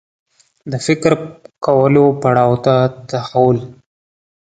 د فکر کولو پړاو ته تحول